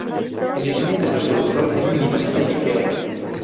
El diseño del reproductor es minimalista y ligero.